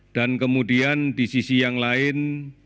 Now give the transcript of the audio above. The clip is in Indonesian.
dan kemudian di sisi yang lain